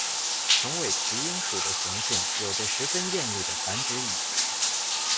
橙尾鸲莺属的雄性有着十分艳丽的繁殖羽。